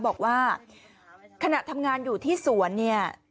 บอกว่าขณะทำงานอยู่ที่สวนเนี่ย